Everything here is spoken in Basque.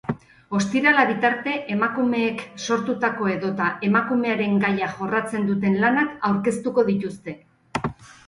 Ostiralera bitarte, emakumeek sortutako edota emakumearen gaia jorratzen duten lanak aurkeztuko dituzte.